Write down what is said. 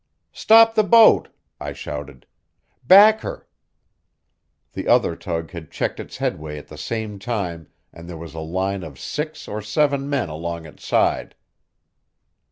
"Stop the boat!" I shouted. "Back her!" The other tug had checked its headway at the same time, and there was a line of six or seven men along its side.